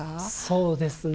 そうですね。